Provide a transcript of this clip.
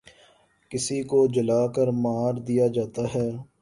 کسی کو جلا کر مار دیا جاتا ہے